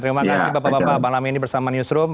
terima kasih bapak bapak malam ini bersama newsroom